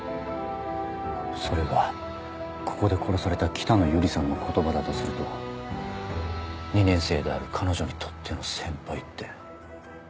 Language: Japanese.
それがここで殺された北野由里さんの言葉だとすると２年生である彼女にとっての先輩って。